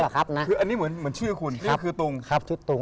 คืออันนี้เหมือนชื่อของคุณคือตุง